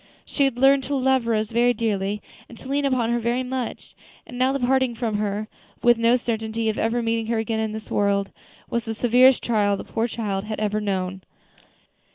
She had learned to love Rose very dearly, and to lean upon her very much; and now the parting from her, with no certainty of ever meeting her again in this world, was the severest trial the poor child had ever known.